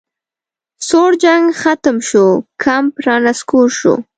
سوړ جنګ ختم شو کمپ رانسکور شو